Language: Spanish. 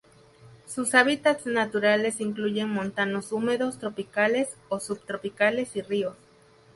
Sus hábitats naturales incluyen montanos húmedos tropicales o subtropicales y ríos.